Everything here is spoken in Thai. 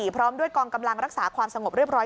พร้อมด้วยกองกำลังรักษาความสงบเรียบร้อย